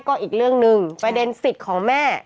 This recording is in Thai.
ก็อีกเรื่องหนึ่งประเด็นสิทธิ์ของแม่